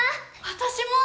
私も！